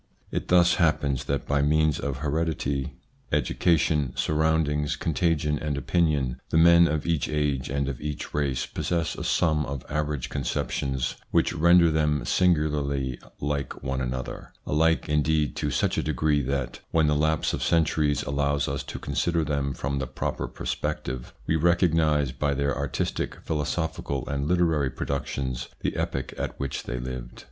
It thus happens that by means of heredity, educa 1 82 THE PSYCHOLOGY OF PEOPLES: tion, surroundings, contagion and opinion, the men of each age and of each race possess a sum of average conceptions which render them singularly like one another, alike indeed to such a degree that, when the lapse of centuries allows us to consider them from the proper perspective, we recognise by their artistic, philosophical, and literary productions the epoch at which they lived.